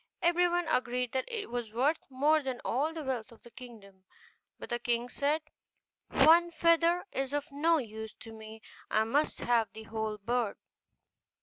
Everyone agreed that it was worth more than all the wealth of the kingdom: but the king said, 'One feather is of no use to me, I must have the whole bird.